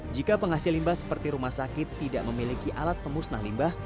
jika penghasil limbah seperti rumah sakit tidak memiliki alat pemusnah limbah